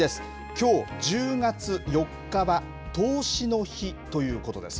きょう１０月４日は投資の日ということです。